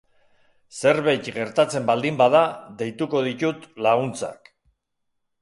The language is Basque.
Zerbeit gertatzen baldin bada deituko ditut laguntzak.